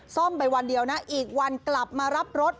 ซ่อมไปวันเดียวนะอีกวันกลับมารับรถ